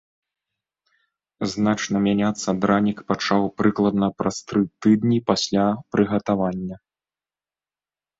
Значна мяняцца дранік пачаў прыкладна праз тры тыдні пасля прыгатавання.